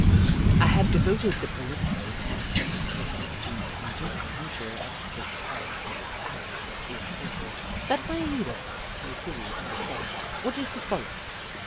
I have devoted the preliminary part of this paper to the general nature and habits of the Owl in order that my readers may fully under stand what is to follow.